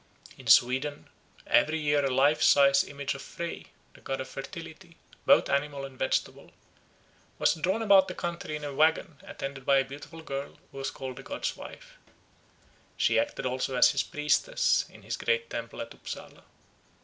In Sweden every year a life size image of Frey, the god of fertility, both animal and vegetable, was drawn about the country in a waggon attended by a beautiful girl who was called the god's wife. She acted also as his priestess in his great temple at Upsala.